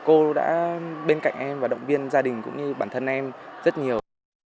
cô đã bên cạnh em và động viên gia đình cũng như bản thân em rất nhiều